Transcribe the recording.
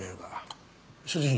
所持品？